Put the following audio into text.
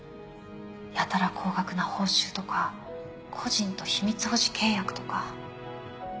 やたら高額な報酬とか個人と秘密保持契約とか。